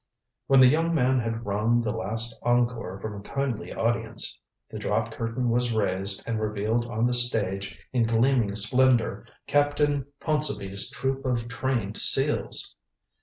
When the young man had wrung the last encore from a kindly audience, the drop curtain was raised and revealed on the stage in gleaming splendor Captain Ponsonby's troupe of trained seals.